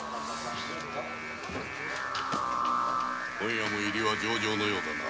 今夜も入りは上々のようだな。